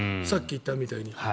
さっき言ったみたいに。